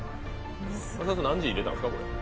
益田さん、何時に入れたんですか？